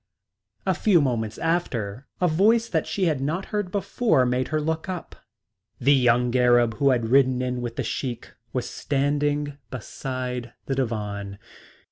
A few moments after a voice that she had not heard before made her look up. The young Arab who had ridden in with the Sheik was standing beside the divan.